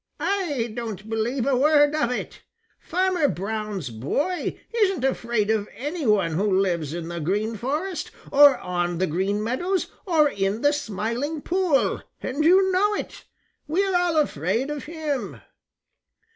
I don't believe a word of it. Farmer Brown's boy isn't afraid of any one who lives in the Green Forest or on the Green Meadows or in the Smiling Pool, and you know it. We are all afraid of him."